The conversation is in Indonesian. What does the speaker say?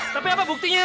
tapi apa buktinya